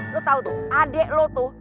lo tau tuh adek lo tuh